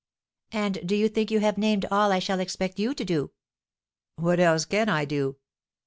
"And do you think you have named all I shall expect you to do?" "What else can I do?"